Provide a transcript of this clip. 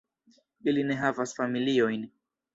Ili ne havas familiojn.